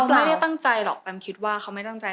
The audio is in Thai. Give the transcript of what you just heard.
ไม่ได้ตั้งใจหรอกแปมคิดว่าเขาไม่ตั้งใจ